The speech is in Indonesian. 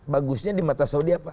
bagusnya di mata saudi apa